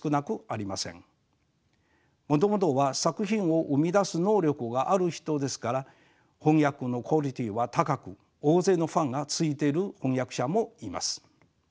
もともとは作品を生み出す能力がある人ですから翻訳のクオリティーは高く大勢のファンがついている翻訳者もいます。